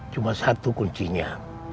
cuma satu kuncinya